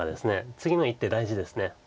次の一手大事です。